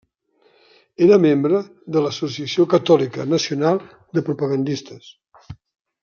Era membre de l'Associació Catòlica Nacional de Propagandistes.